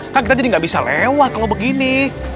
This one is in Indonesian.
nah kita jadi nggak bisa lewat kalau begini